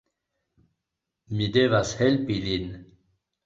Mi devas helpi lin.